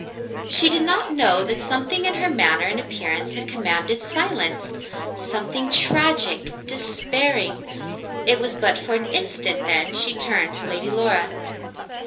She did not know that something in her manner and appearance had com manded silence — something tragic — despairing. It was but for an instant, then she turned to Lady Laura.